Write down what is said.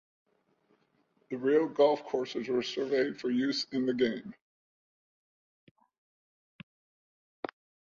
The real golf courses were surveyed for use in the game.